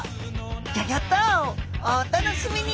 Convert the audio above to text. ギョギョッとお楽しみに！